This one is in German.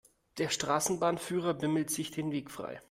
Der Straßenbahnführer bimmelte sich den Weg frei.